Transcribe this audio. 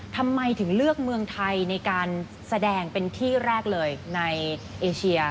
ทำไมถึงเลือกเมืองไทยในการแสดงเป็นที่แรกเลยในเอเชีย